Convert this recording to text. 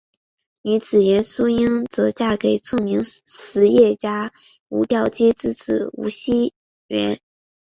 女子严淑英则嫁给著名实业家吴调卿之子吴熙元。